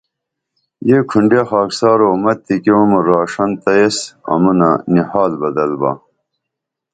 یہ کھنڈیہ خاکسارو متِکی عمر آݜنتہ ایس امونہ نی حال بدل با